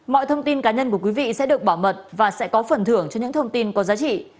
mọi thông tin cá nhân của quý vị sẽ được bảo mật và sẽ có phần thưởng cho những thông tin có giá trị